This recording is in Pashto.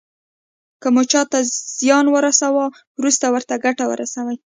که مو چاته زیان ورساوه وروسته ورته ګټه ورسوئ.